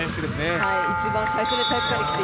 一番最初に体育館に来て